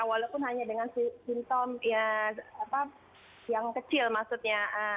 walaupun hanya dengan simptom yang kecil maksudnya